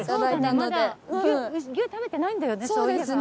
まだ牛食べてないんだよね。